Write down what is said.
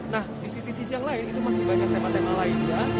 nah di sisi sisi yang lain itu masih banyak tema tema lainnya